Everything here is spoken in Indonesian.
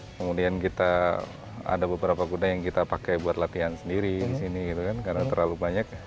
kemudian kita ada beberapa kuda yang kita pakai buat latihan sendiri di sini gitu kan karena terlalu banyak